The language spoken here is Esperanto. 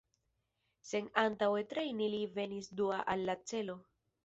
Sen antaŭe trejni li venis dua al la celo.